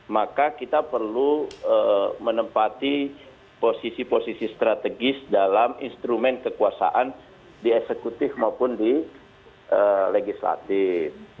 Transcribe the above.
maka kita perlu menempati posisi posisi strategis dalam instrumen kekuasaan di eksekutif maupun di legislatif